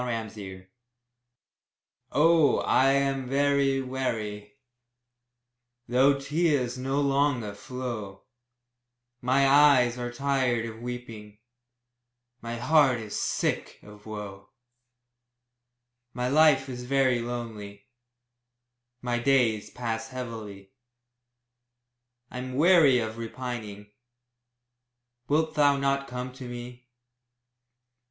APPEAL. Oh, I am very weary, Though tears no longer flow; My eyes are tired of weeping, My heart is sick of woe; My life is very lonely My days pass heavily, I'm weary of repining; Wilt thou not come to me?